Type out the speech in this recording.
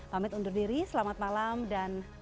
pamit undur diri selamat malam dan